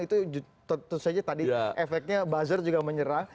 itu tentu saja tadi efeknya buzzer juga menyerah